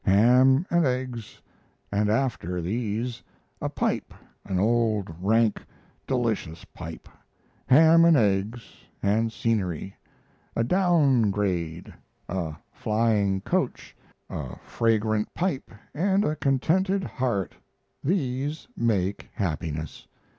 Ham and eggs, and after these a pipe an old, rank, delicious pipe ham and eggs and scenery, a "down grade," a flying coach, a fragrant pipe, and a contented heart these make happiness.